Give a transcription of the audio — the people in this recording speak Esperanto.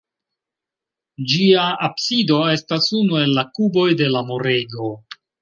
Ĝia absido estas unu el la kuboj de la murego.